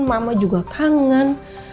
mama juga kangen